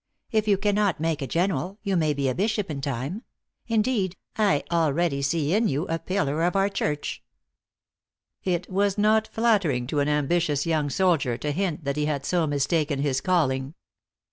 If you cannot make a general, you may be a bishop in time. Indeed, I al ready see in you a pillar of our church." It was not flattering to an ambitious young soldier to hint that he had so mistaken his calling.